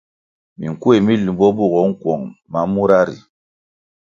Minkuéh mi limbo bugoh nkuong ma mura ri.